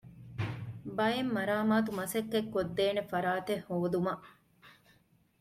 ބައެއް މަރާމާތު މަސައްކަތް ކޮށްދޭނެ ފަރާތެއް ހޯދުމަށް